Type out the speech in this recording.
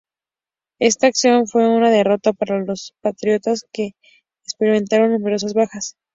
Esta acción fue una derrota para los patriotas, que experimentaron numerosas bajas.